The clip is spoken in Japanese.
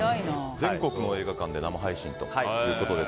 全国の映画館で生配信ということです。